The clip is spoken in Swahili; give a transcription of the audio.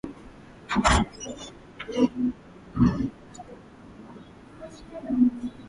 Pamba au nyuzi za sufu zinaweza kutumiwa katika kurefusha nywele